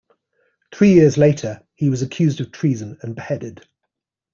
Three years later, he was accused of treason and beheaded.